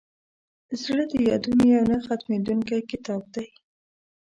زړه د یادونو یو نه ختمېدونکی کتاب دی.